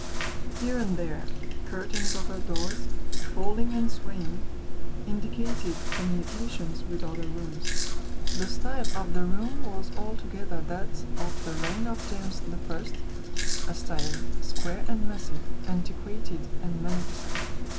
Here and there curtains over doors, falling and swaying, indicated communications with other rooms. The style of the room was altogether that of the reign of James I. a style square and massive, antiquated and magnificent.